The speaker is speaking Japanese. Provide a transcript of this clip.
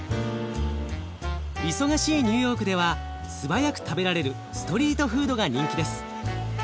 忙しいニューヨークでは素早く食べられるストリートフードが人気です。